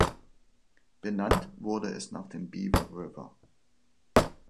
Benannt wurde es nach dem Beaver River.